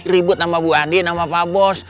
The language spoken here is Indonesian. ribut sama bu andien sama pak bos